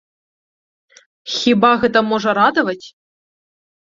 Хіба гэта можа радаваць?